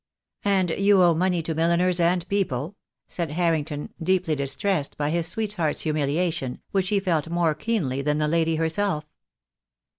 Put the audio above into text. "And you owe money to milliners and people?" said Harrington, deeply distressed by his sweetheart's humilia tion, which he felt more keenly than the lady herself.